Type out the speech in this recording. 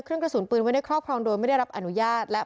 คือที่คอยหาพยายามฆ่า